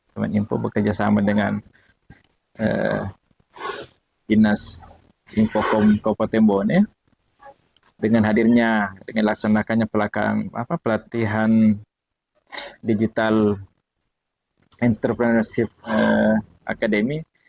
kemeninpo bekerjasama dengan ginas infocom kaukotembo dengan hadirnya dengan laksanakannya pelatihan digital entrepreneurship akademi